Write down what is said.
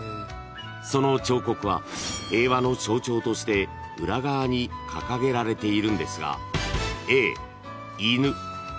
［その彫刻は平和の象徴として裏側に掲げられているんですが］